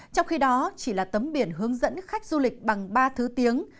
trong khi đó chỉ là tấm biển hướng dẫn khách du lịch bằng ba tấm biển